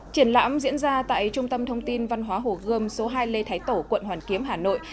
triển lãm diễn ra tại trung tâm thông tin văn hóa hồ gươm số hai lê thái tổ quận hoàn kiếm hà nội